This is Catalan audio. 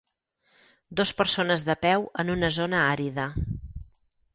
Dos persones de peu en una zona àrida.